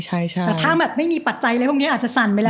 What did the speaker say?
แต่ถ้าแบบไม่มีปัจจัยอะไรพวกนี้อาจจะสั่นไปแล้ว